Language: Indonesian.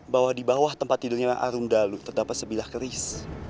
bahwa di bawah tempat tidurnya arumdalu terdapat sebilah keris